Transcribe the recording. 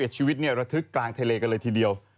ชีวิตระทึกกลางทะเลกันเลยทีเดียว